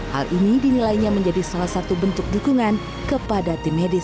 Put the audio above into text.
hal ini dinilainya menjadi salah satu bentuk dukungan kepada tim medis